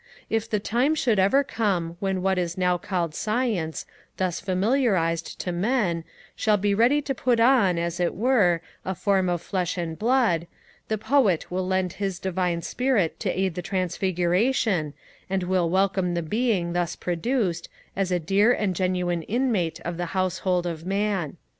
If the time should ever come when what is now called science, thus familiarized to men, shall be ready to put on, as it were, a form of flesh and blood, the Poet will lend his divine spirit to aid the transfiguration, and will welcome the Being thus produced, as a dear and genuine inmate of the household of man.